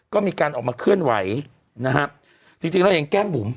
ก็มีการออกมาเคลื่อนไหวนะฮะจริงจริงแล้วอย่างแก้มบุ๋ม